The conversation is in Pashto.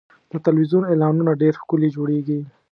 د تلویزیون اعلانونه ډېر ښکلي جوړېږي.